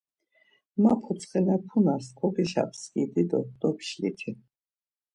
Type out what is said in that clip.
Ma potsxepunas kogeşapskidi do dopşliti.